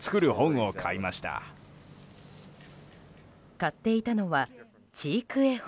買っていたのは知育絵本。